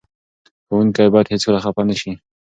ښوونکي باید هېڅکله خفه نه سي.